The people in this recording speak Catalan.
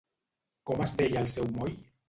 Com es deia el seu moll?